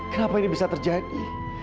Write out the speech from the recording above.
kenapa ini bisa terjadi